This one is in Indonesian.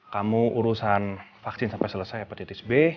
kamu urusan vaksin sampai selesai hepatitis b